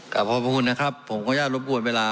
ขอบพระคุณนะครับผมขออนุญาตรบกวนเวลา